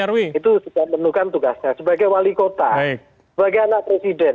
itu sudah menukan tugasnya sebagai wali kota sebagai anak presiden